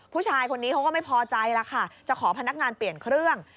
ผู้ชายคนนี้เขาก็ไม่พอใจแล้วค่ะจะขอพนักงานเปลี่ยนเครื่อง